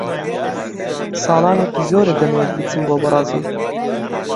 ساڵانێکی زۆرە دەمەوێت بچم بۆ بەرازیل.